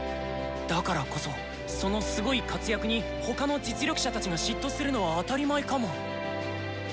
だからこそそのすごい活躍に他の実力者たちが嫉妬するのは当たり前かも。